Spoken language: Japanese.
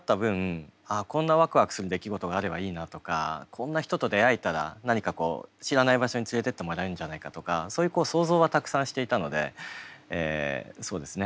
あこんなワクワクする出来事があればいいなとかこんな人と出会えたら何かこう知らない場所に連れてってもらえるんじゃないかとかそういう想像はたくさんしていたのでそうですね